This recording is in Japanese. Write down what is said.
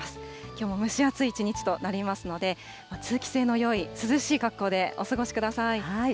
きょうも蒸し暑い一日となりますので、通気性のよい涼しい格好でお過ごしください。